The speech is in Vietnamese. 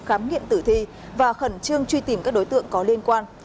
khám nghiệm tử thi và khẩn trương truy tìm các đối tượng có liên quan